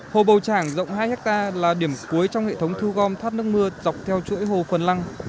hồ bầu trảng rộng hai hectare là điểm cuối trong hệ thống thu gom thoát nước mưa dọc theo chuỗi hồ phần lăng